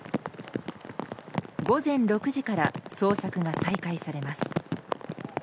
午前６時から捜索が再開されます。